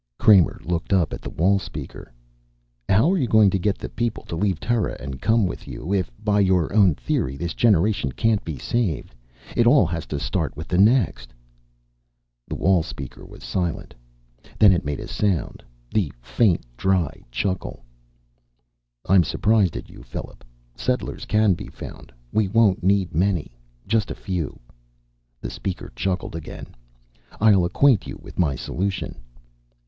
Kramer looked up at the wall speaker. "How are you going to get the people to leave Terra and come with you, if by your own theory, this generation can't be saved, it all has to start with the next?" The wall speaker was silent. Then it made a sound, the faint dry chuckle. "I'm surprised at you, Philip. Settlers can be found. We won't need many, just a few." The speaker chuckled again. "I'll acquaint you with my solution."